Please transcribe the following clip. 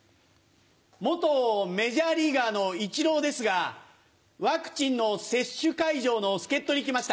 元メジャーリーガーのイチローですがワクチンの接種会場の助っ人に来ました。